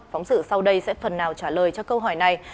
phóng sự sau đây sẽ phần nào trả lời cho câu hỏi này